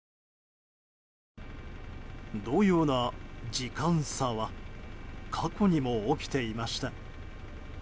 同様な時間差は過去にも起きていました。